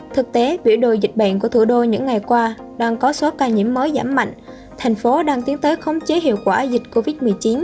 thực tế biểu đồi dịch bệnh của thủ đô những ngày qua đang có số ca nhiễm mới giảm mạnh thành phố đang tiến tới khống chế hiệu quả dịch covid một mươi chín